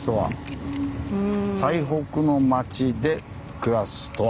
「“最北の町”で暮らすとは？」。